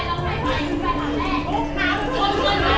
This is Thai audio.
อย่าเอามันเดินเข้ามา